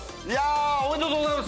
おめでとうございます